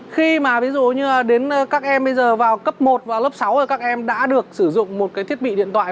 khi mà ví dụ như đến các em bây giờ vào cấp một và lớp sáu thì các em đã được sử dụng một cái thiết bị điện thoại